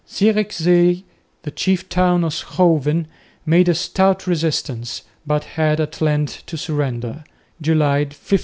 Zierikzee, the chief town of Schouwen, made a stout resistance, but had at length to surrender (July, 1576).